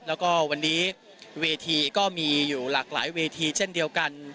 แล้วก็วันนี้เวทีก็มีอยู่หลากหลายเวทีเช่นเดียวกัน